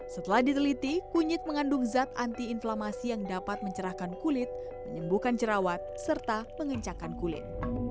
setelah diteliti kunyit mengandung zat anti inflamasi yang dapat mencerahkan kulit menyembuhkan jerawat serta mengencakan kulit